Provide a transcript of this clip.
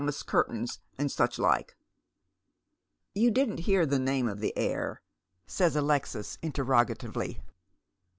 ss curtings and such lika" " You didn't hear the name of the heir," says Alexis, interro gatively.